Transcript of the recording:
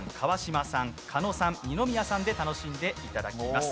さん、狩野さん、二宮さんで楽しんでいただきます。